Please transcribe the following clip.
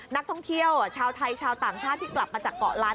นักท่องเที่ยวชาวไทยชาวต่างชาติที่กลับมาจากเกาะล้าน